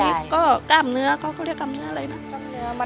มือนี่ก็กล้ามเนื้อก็เรียกกล้ามเนื้ออะไรนะ